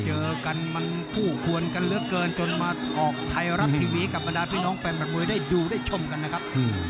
เจอกันมันคู่ควรกันเหลือเกินจนมาออกไทยรัฐทีวีกับบรรดาพี่น้องแฟนบันมวยได้ดูได้ชมกันนะครับ